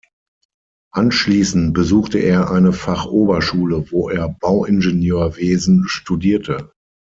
Anschließend besuchte er eine Fachoberschule, wo er Bauingenieurwesen studierte.